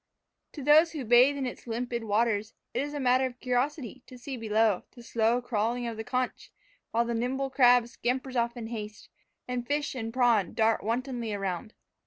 To those who bathe in its limpid waters it is a matter of curiosity to see below, the slow crawling of the conch, while the nimble crab scampers off in haste, and fish and prawn dart wantonly around.